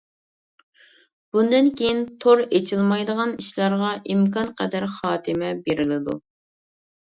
بۇندىن كېيىن تور ئېچىلمايدىغان ئىشلارغا ئىمكانقەدەر خاتىمە بېرىلىدۇ.